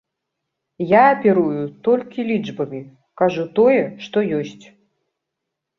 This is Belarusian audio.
Я аперую толькі лічбамі, кажу тое, што ёсць.